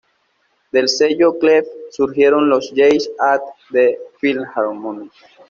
Del sello "Clef" surgieron los "Jazz At The Philharmonic".